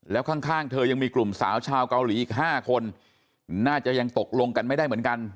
แล้วข้างเธอยังมีกลุ่มสาวชาวเกาหลีอีก๕คนน่าจะยังตกลงกันไม่ได้เหมือนกัน